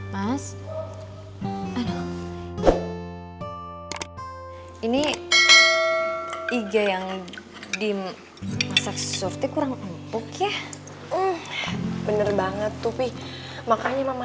mas aduh ini iga yang dimasak softnya kurang empuk ya bener banget tuh pih makannya mama